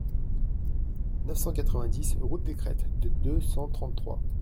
neuf cent quatre-vingt-dix route des Cretes / d'deux cent trente-trois